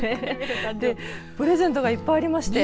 プレゼントがいっぱいありまして。